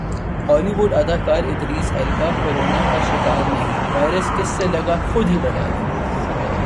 ہالی ووڈ اداکارادریس Alba corona کا شکارانہیں وائرس کس سے لگاخودہی بتادیا